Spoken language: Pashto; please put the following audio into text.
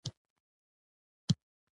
دوی مخې ته ورغلو.